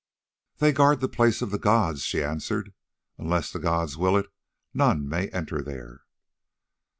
"They guard the place of the gods," she answered. "Unless the gods will it, none may enter there."